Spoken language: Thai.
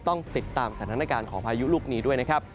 ต้องติดตามสถานการณ์ของพายุลูกนี้ด้วยนะครับ